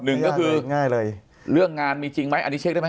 หนึ่งก็คือเรื่องงานมีจริงไหม